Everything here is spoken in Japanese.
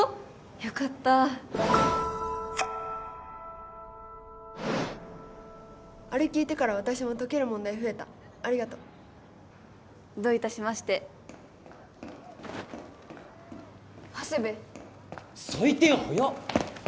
よかったあれ聞いてから私も解ける問題増えたありがとうどういたしまして長谷部採点早っ！